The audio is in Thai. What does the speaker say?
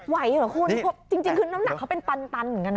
ไหวเหรอคุณจริงคือน้ำหนักเขาเป็นตันอย่างนั้น